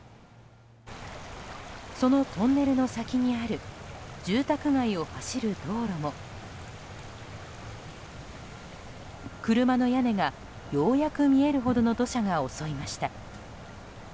そのトンネルの先にある住宅街を走る道路も車の屋根がようやく見えるほどの土砂が襲いました。